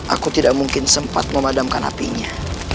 aku tidak mungkin sempat memadamkan apinya